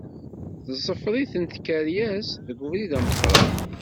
Ttzefritent tkeṛyas deg ubrid ameqqran.